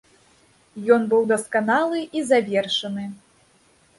Ён быў дасканалы і завершаны.